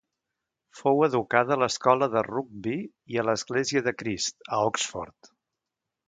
Fou educat a l'escola de Rugbi i a l'Església de Crist, a Oxford.